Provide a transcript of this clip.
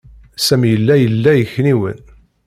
Sami yella ila akniwen.